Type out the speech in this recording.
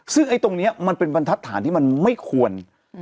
ซึ่งไอ้ตรงนี้มันเป็นบรรทัศนที่มันไม่ควร